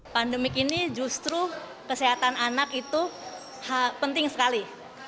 pandemik ini justru kesehatan anak itu penting sekali